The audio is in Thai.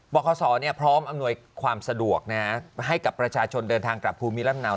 ประกาศส่อดเนี่ยพร้อมอำนวยความสะดวกนะฮะให้กับประชาชนเดินทางกลับพูมิลลำเนา